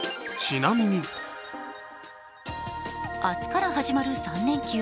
明日から始まる３連休。